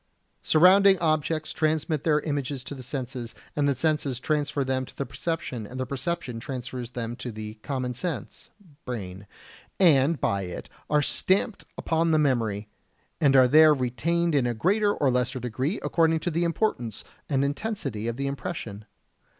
Surrounding objects transmit their images to the senses, and the senses transfer them to the perception, and the perception transfers them to the "common sense" (brain), and by it they are stamped upon the memory, and are there retained in a greater or lesser degree according to the importance and intensity of the impression.